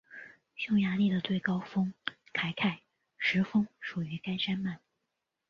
匈牙利的最高峰凯凯什峰属于该山脉。